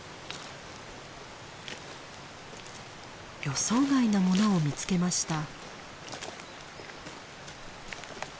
予想外なものを見つけました。